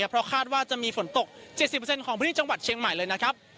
เพราะคาดว่าจะมีฝนตก๗๐ของพื้นที่จังหวัดเชียงใหม่เลยนะครับ